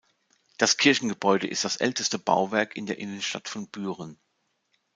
Das Kirchengebäude ist das älteste Bauwerk in der Innenstadt von Büren.